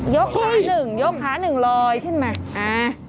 ยกข้าหนึ่งรอยขึ้นมาเอ้า